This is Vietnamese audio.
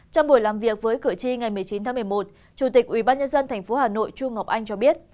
trong buổi làm việc với cửa chi ngày một mươi chín tháng một mươi một chủ tịch ubnd tp hà nội trung ngọc anh cho biết